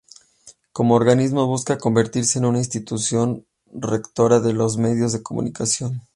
Como organismo, busca convertirse en una institución rectora de los medios de comunicación.